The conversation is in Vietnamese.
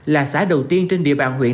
là xã đầu tiên trên địa bàn huyện